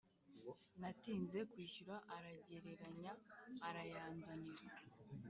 natinze kwishyura aragereranya arayanzanira